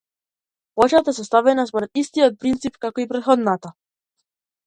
Плочата е составена според истиот принцип како и претходната.